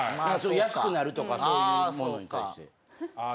安くなるとかそういうものに対して。